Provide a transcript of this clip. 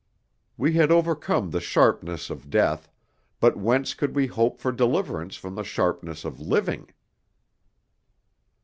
We had overcome the sharpness of death, but whence could we hope for deliverance from the sharpness of living?"